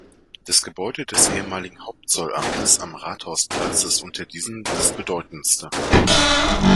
Das Gebäude des ehemaligen Hauptzollamtes am Rathausplatz ist unter diesen das bedeutendste.